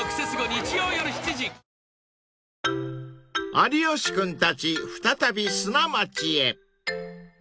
［有吉君たち再び砂町へ］